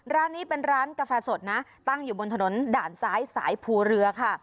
ร้านนี้เป็นร้านกาแฟสดนะตั้งอยู่บนถนนด่านซ้ายสายภูเรือค่ะ